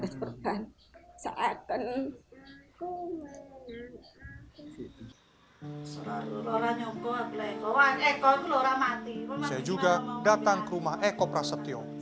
saya juga datang ke rumah eko prasetyo